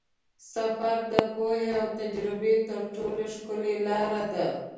سفر د پوهې او تجربې تر ټولو ښکلې لاره ده.